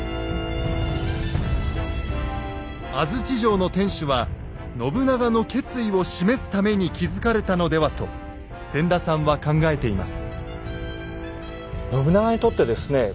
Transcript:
安土城の天主は信長の決意を示すために築かれたのではと千田さんは考えています。